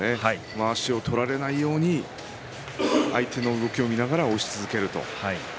まわしを取られないように相手の動きを見ながら押し続けると。